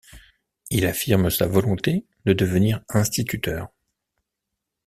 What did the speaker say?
Il affirme sa volonté de devenir instituteur.